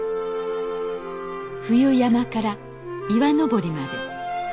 冬山から岩登りまで。